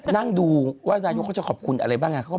นั่งดูว่านายกเขาจะขอบคุณอะไรบ้าง